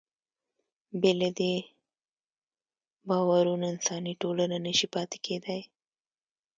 بې له دې باورونو انساني ټولنه نهشي پاتې کېدی.